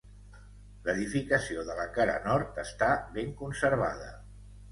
L'edificació de la cara nord està ben conservada.